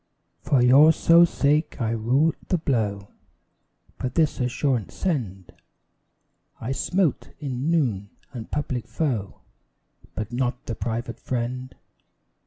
For your sole sake I rue the blow, But this assurance send: I smote, in noon, the public foe, But not the private friend.